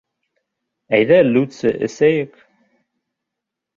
Әйҙә лүтсе эсәйек!